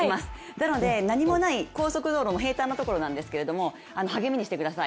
なので何もない高速道路の平たんなところなんですけど励みにしてください。